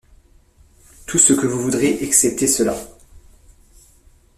Tout ce que vous voudrez excepté cela.